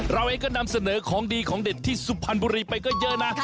เราเองก็นำเสนอของดีของเด็ดที่สุพรรณบุรีไปก็เยอะนะ